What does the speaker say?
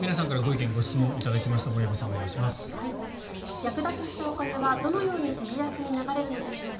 略奪したお金はどのように指示役に流れるのでしょうか。